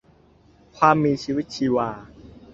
ความมีชีวิตชีวา